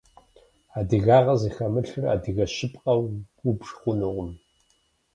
Адыгагъэ зыхэмылъыр адыгэ щыпкъэу убж хъунукъым.